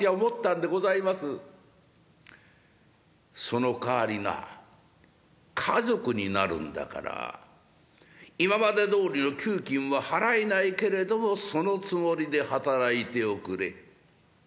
『そのかわりな家族になるんだから今までどおりの給金は払えないけれどもそのつもりで働いておくれ』。